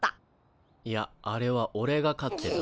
いやあれはおれが勝ってた。